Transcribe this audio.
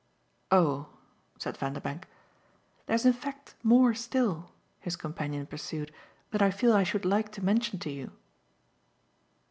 "Oh!" said Vanderbank. "There's in fact more still," his companion pursued "that I feel I should like to mention to you."